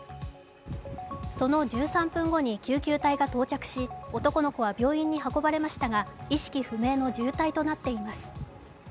その１３分後に救急隊が到着し、男の子は病院に運ばれましたが意識不明の重体となっています。